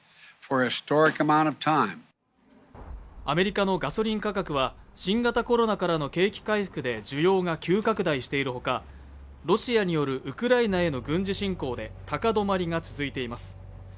アメリカのガソリン価格は新型コロナからの景気回復で需要が急拡大しているほかロシアによるウクライナへの軍事侵攻で高止まりが続いています。